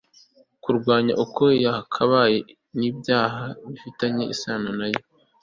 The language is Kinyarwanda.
kurwanya uko yakabaye n'ibyaha bifitanye isano na yo